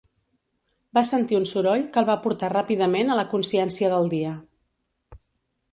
Va sentir un soroll que el va portar ràpidament a la consciència del dia.